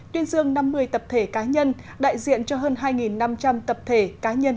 tuyên dương năm mươi tập thể cá nhân đại diện cho hơn hai năm trăm linh tập thể cá nhân